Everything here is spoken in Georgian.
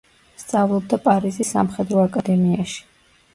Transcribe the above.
სწავლობდა პარიზის სამხედრო აკადემიაში.